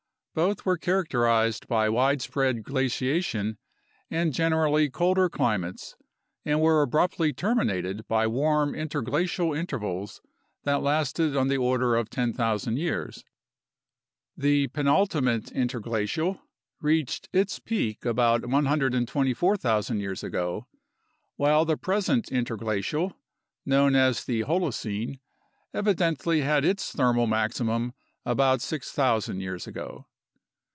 Both were characterized by widespread glaciation and generally colder climates and were abruptly terminated by warm interglacial intervals that lasted on the order of 10,000 years. The penultimate interglacial reached its peak about 124,000 years ago, while the pres ent interglacial (known as the Holocene) evidently had its thermal maximum about 6000 years ago.